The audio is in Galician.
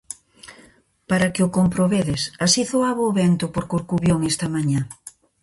Para que o comprobedes, así zoaba o vento por Corcubión esta mañá.